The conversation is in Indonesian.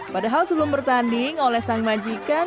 padahal sebelum bertanding oleh sang majikan